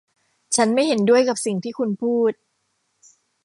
ฉันไม่เห็นด้วยกับสิ่งที่คุณพูด